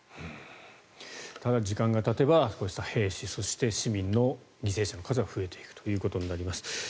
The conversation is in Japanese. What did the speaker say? ただ時間がたてば兵士、市民の犠牲者の数は増えていくということになります。